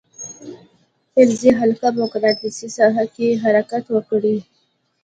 فلزي حلقه په مقناطیسي ساحه کې حرکت وکړي.